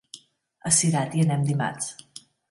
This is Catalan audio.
A Cirat hi anem dimarts.